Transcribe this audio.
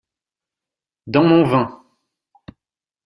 Dans mon vin.